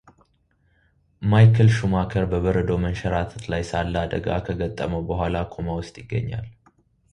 ማይክል ሹማከር በበረዶ መሸራተት ላይ ሳለ አደጋ ከገጠመው በኋላ ኮማ ውስጥ ይገኛል።